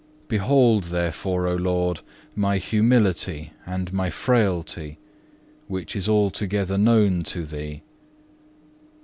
2. Behold, therefore, O Lord, my humility and my frailty, which is altogether known to Thee.